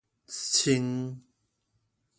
穿